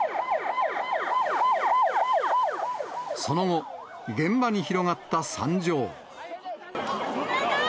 その後、現場に広がった惨状。